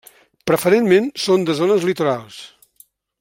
Preferentment són de zones litorals.